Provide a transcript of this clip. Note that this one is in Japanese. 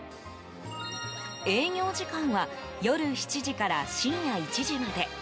営業時間は夜７時から深夜１時まで。